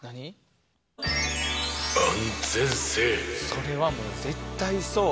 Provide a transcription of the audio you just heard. それはもう絶対そう。